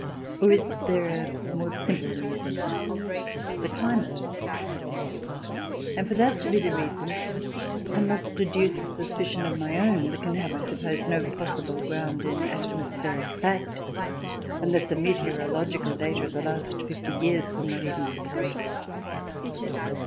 Or is there a more simple reason — the climate ? And for that to be the reason, I must adduce a suspicion of my own that can have, I suppose, no possible ground in atmospheric fact, and that the meteorological data of the last fifty years will not even support.